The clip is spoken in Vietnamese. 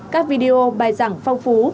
các video bài giảng phong phú